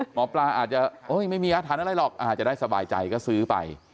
หมอปลาอาจจะไม่มีอาถรรพ์อะไรหรอกอาจจะได้สบายใจก็ซื้อไป